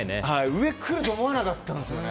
上来ると思わなかったんですよね。